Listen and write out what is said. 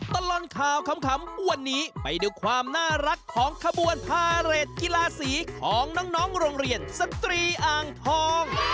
ตลอดข่าวขำวันนี้ไปดูความน่ารักของขบวนพาเรทกีฬาสีของน้องโรงเรียนสตรีอ่างทอง